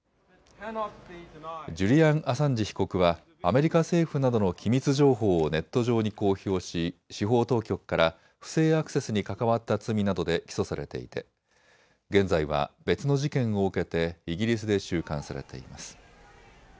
ジュリアン・アサンジ被告はアメリカ政府などの機密情報をネット上に公表し司法当局から不正アクセスに関わった罪などで起訴されていて現在は別の事件を受けてイギリスで収監されています。